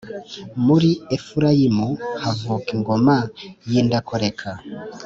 muri Efurayimu havuka ingoma y’indakoreka.